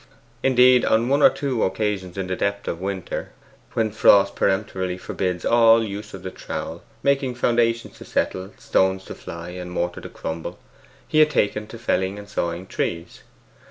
Indeed, on one or two occasions in the depth of winter, when frost peremptorily forbids all use of the trowel, making foundations to settle, stones to fly, and mortar to crumble, he had taken to felling and sawing trees.